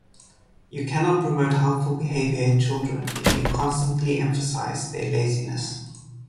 You cannot promote helpful behavior in children if you constantly emphasize their laziness.